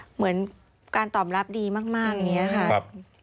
เหมือนการตอบรับดีมากอย่างนี้ค่ะ